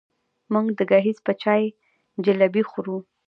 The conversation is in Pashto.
موږ د ګیځ په چای جلبۍ خورو.